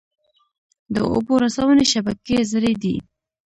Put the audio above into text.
د اوبو رسونې شبکې زړې دي؟